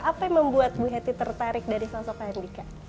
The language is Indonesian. apa yang membuat bu hetty tertarik dari sosok pandika